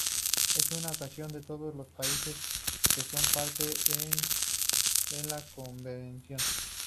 Es una asociación de todos los países que son Partes en la Convención.